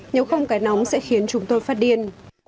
nếu không cái nóng sẽ khiến chúng tôi phát điên